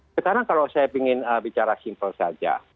sekarang kalau saya ingin bicara simpel saja